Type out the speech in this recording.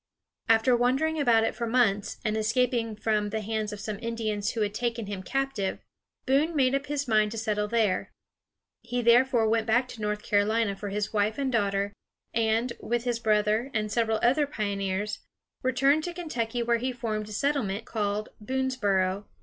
After wandering about it for months, and escaping from the hands of some Indians who had taken him captive, Boone made up his mind to settle there. He therefore went back to North Carolina for his wife and daughter, and, with his brother and several other pioneers, returned to Kentucky where he formed a settlement called Boones´bor o (1775).